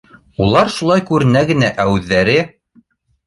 — Улар шулай күренә генә, ә үҙҙәре.